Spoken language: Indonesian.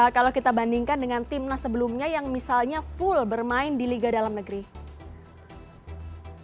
kalau kita bandingkan dengan timnas sebelumnya yang misalnya full bermain di liga dalam negeri